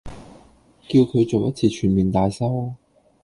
叫佢做一次全面大修